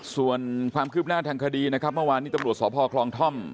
ส่วนความคืบหน้าทางคดีนะครับเมื่อวานนี้ตำรวจสพคลองท่อม